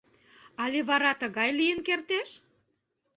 Але вара тыгай лийын кертеш?